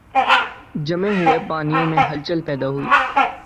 جمے ہوئے پانیوں میں ہلچل پیدا ہو۔